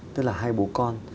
tức là hai bố con